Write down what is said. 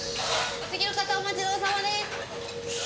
お次の方お待ちどおさまです。